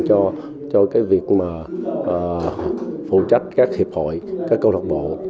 cho việc phụ trách các hiệp hội các câu lạc bộ